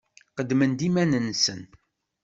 Qeddmen-d iman-nsen.